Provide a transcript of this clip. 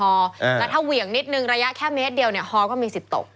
แล้วถ้าเหวี่ยงนิดนึงระยะแค่เมตรเดียวเนี่ยฮอก็มีสิทธิ์ตก